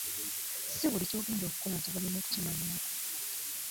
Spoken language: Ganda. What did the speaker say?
Si buli ky'ogenda okkola nti balina okukimanyako.